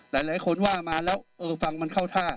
หลายคนว่ามาแล้วเออฟังมันเข้าท่า